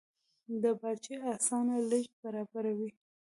دا بارچي اسانه لېږد برابروي.